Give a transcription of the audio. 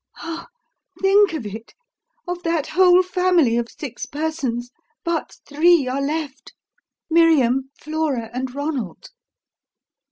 Ah, think of it! of that whole family of six persons, but three are left: Miriam, Flora, and Ronald."